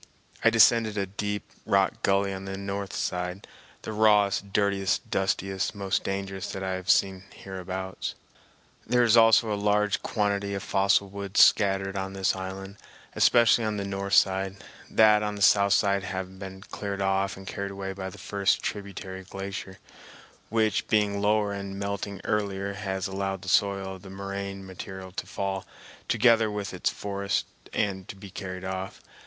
I descended a deep rock gully on the north side, the rawest, dirtiest, dustiest, most dangerous that I have seen hereabouts. There is also a large quantity of fossil wood scattered on this island, especially on the north side, that on the south side having been cleared off and carried away by the first tributary glacier, which, being lower and melting earlier, has allowed the soil of the moraine material to fall, together with its forest, and be carried off.